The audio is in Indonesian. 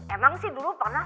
emang sih dulu pernah